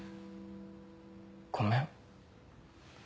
ごめん。